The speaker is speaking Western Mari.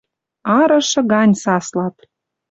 Арышы гань саслат...